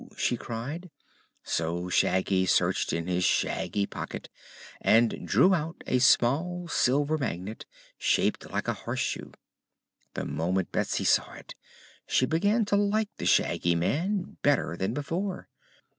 she cried; so Shaggy searched in his shaggy pocket and drew out a small silver magnet, shaped like a horseshoe. The moment Betsy saw it she began to like the Shaggy Man better than before.